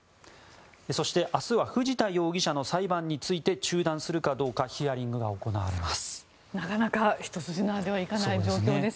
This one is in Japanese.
そして、明日は藤田容疑者の裁判について中断するかどうかヒアリングが行われます。